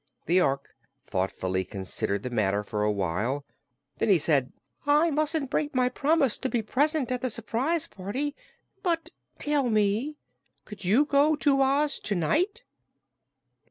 The Ork thoughtfully considered the matter for a while. Then he said: "I mustn't break my promise to be present at the surprise party; but, tell me, could you go to Oz to night?"